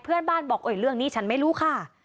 เพื่อนบ้านบอกเรื่องนี้ฉันไม่รู้ค่ะ